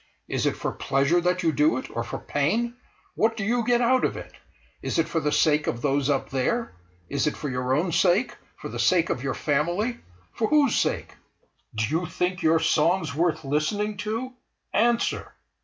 Is it for pleasure that you do it, or for pain? What do you get out of it? Is it for the sake of those up there? Is it for your own sake—for the sake of your family—for whose sake? Do you think your songs worth listening to? Answer!"